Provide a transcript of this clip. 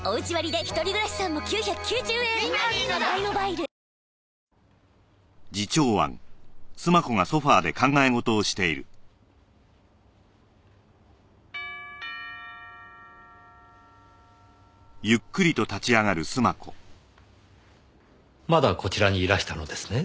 わかるぞまだこちらにいらしたのですね。